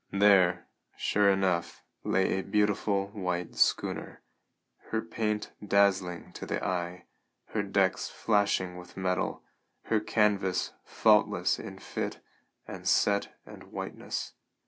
There, sure enough, lay a beautiful white schooner, her paint dazzling to the eye, her decks flashing with metal, her canvas faultless in fit and set and whiteness.